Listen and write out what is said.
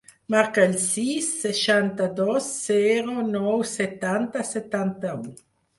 Marca el sis, seixanta-dos, zero, nou, setanta, setanta-u.